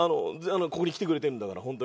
ここに来てくれてるんだから本当に。